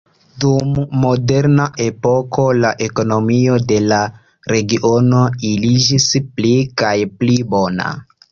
Dum Moderna epoko la ekonomio de la regiono iĝis pli kaj pli bona.